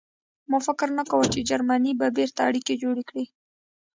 ما فکر نه کاوه چې جرمني به بېرته اړیکې جوړې کړي